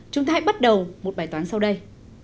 chúng ta hãy bắt đầu một bài toán sau đây